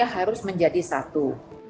harus menjadi satu